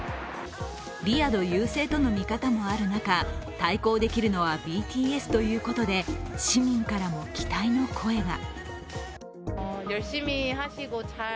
リヤド優勢との見方もある中対抗できるのはＢＴＳということで市民からも期待の声が。